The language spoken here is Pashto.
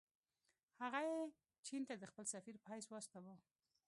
هغه یې چین ته د خپل سفیر په حیث واستاوه.